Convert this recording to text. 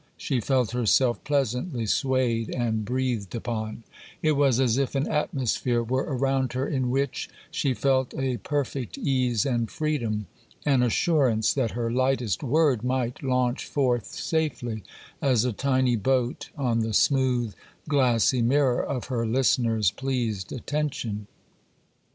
She felt herself pleasantly swayed and breathed upon: it was as if an atmosphere were around her in which she felt a perfect ease and freedom—an assurance that her lightest word might launch forth safely, as a tiny boat on the smooth glassy mirror of her listener's pleased attention.